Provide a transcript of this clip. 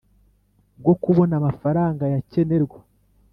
Bwo kubona amafaranga yakenerwa